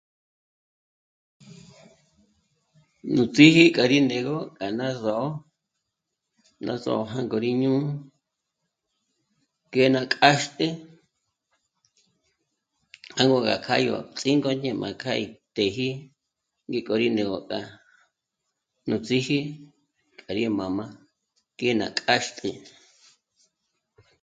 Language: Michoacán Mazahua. Nú tíji k'a rí né'egö k'a ná s'ó'o, ná só'o jângo rí jñù'u ngé ná k'âxt'ü, jângo gá k'a yó ts'íngôñi má k'a ítëji ngíko gó rí né'e rí k'â'a. Nú ts'íji k'a yí m'ā́m'ā ngé ná k'âxt'ü